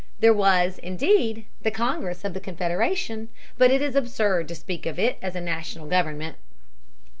There was, indeed, the Congress of the Confederation, but it is absurd to speak of it as a national government.